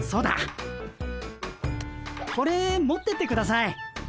これ持ってってください。